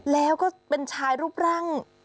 แล้วก็เป็นชายรูปร่าง